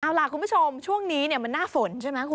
เอาล่ะคุณผู้ชมช่วงนี้มันหน้าฝนใช่ไหมคุณ